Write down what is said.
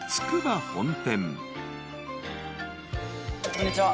こんにちは。